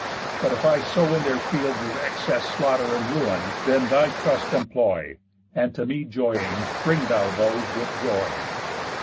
But, if I sow in their fields of excess Slaughter and ruin, then thy trust employ, And to me joying bring thou those with joy."